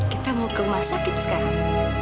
kita mau ke rumah sakit sekarang